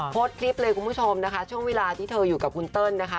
โพสต์คลิปเลยคุณผู้ชมนะคะช่วงเวลาที่เธออยู่กับคุณเติ้ลนะคะ